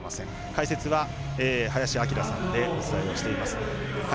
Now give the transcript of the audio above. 解説は林享さんでお伝えをしています。